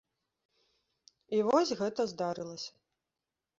І вось гэта здарылася.